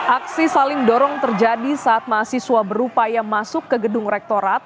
aksi saling dorong terjadi saat mahasiswa berupaya masuk ke gedung rektorat